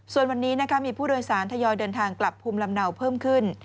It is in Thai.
ส่วนวันนี้มีผู้โดยสารทยอยเดินทางกลับภูมิลำเนาเพิ่มขึ้น